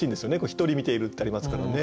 「ひとり観ている」ってありますからね。